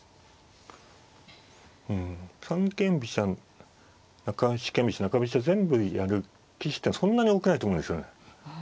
うん三間飛車四間飛車中飛車全部やる棋士ってそんなに多くないと思うんですよね。